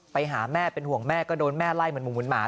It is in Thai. ไปหาแม่เป็นห่วงแม่ก็โดนแม่ไล่เหมือนหมา